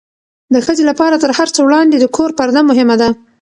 د ښځې لپاره تر هر څه وړاندې د کور پرده مهمه ده.